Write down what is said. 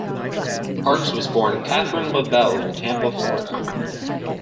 Parks was born Catherine LaBelle in Tampa, Florida.